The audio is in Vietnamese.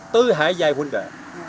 tứ hải giai huynh đệ